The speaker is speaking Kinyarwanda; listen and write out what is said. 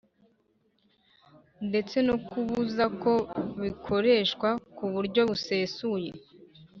ndetse no kubuza ko bikoreshwa ku buryo busesuye